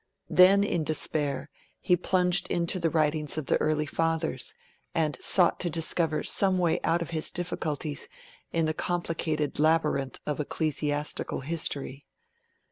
Then in despair he plunged into the writings of the early Fathers, and sought to discover some way out of his difficulties in the complicated labyrinth of ecclesiastical history.